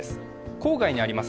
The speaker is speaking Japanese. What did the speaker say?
郊外にあります